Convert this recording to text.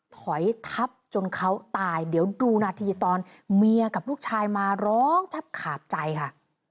ถอยทับจนเขาตายเดี๋ยวดูนาทีตอนเมียกับลูกชายมาร้องแทบขาดใจค่ะ